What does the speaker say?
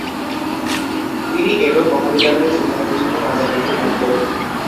তিনি এটন মহাবিদ্যালয়ে যোগদানের জন্য রাজা বৃত্তি লাভ করেন।